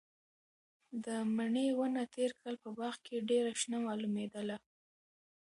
د مڼې ونه تېر کال په باغ کې ډېره شنه معلومېدله.